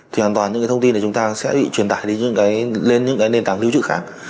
thì hoàn toàn những cái thông tin này chúng ta sẽ bị truyền tải đi lên những cái nền tảng lưu trữ khác